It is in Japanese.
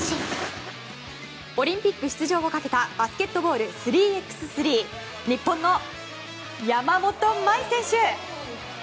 オリンピック出場をかけたバスケットボール３×３日本の山本麻衣選手。